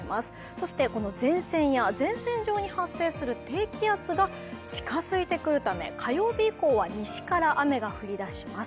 そしてこの前線や前線上に発生する低気圧が近づいてくるため、火曜日以降は西から雨が降り出します。